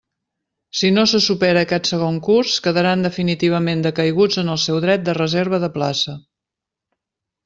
Si no se supera aquest segon curs, quedaran definitivament decaiguts en el seu dret de reserva de plaça.